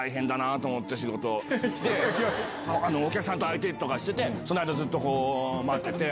お客さんの相手とかしててその間ずっと待ってて。